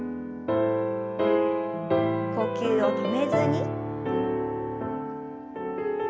呼吸を止めずに。